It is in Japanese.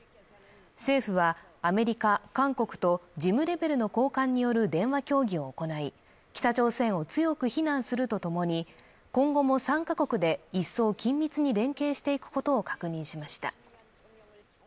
政府はアメリカ、韓国と事務レベルの高官による電話協議を行い、北朝鮮を強く非難すると共に今後も３か国で一層緊密に連携していくことを確認しました。